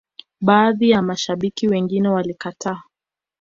baadhi ya mashabiki wengine walikataa